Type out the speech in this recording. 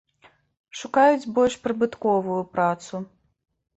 Шукаюць больш прыбытковую працу.